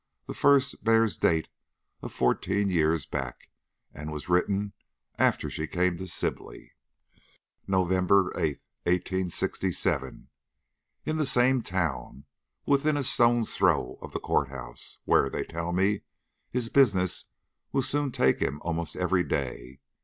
The first bears date of fourteen years back, and was written after she came to Sibley: "NOVEMBER 8, 1867. In the same town! Within a stone's throw of the court house, where, they tell me, his business will soon take him almost every day!